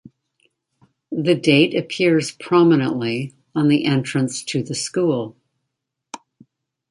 The date appears prominently on the entrance to the school.